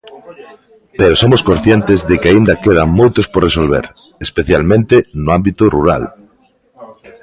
Pero somos conscientes de que aínda quedan moitos por resolver, especialmente no ámbito rural.